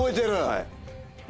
はい。